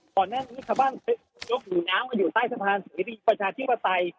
ตอนนั้นนิษฐาบ้านเป็นอพยพหรือน้ำอยู่ใต้สะพานสุริประชาชินปศัย